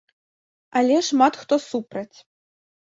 Але шмат хто супраць.